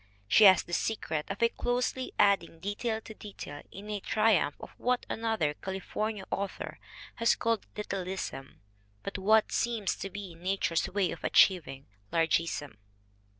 She has the secret of closely adding detail to detail in a triumph of what another California author has called Littleism, but what seems to be nature's way of achieving Largeism."